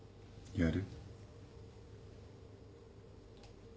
やる？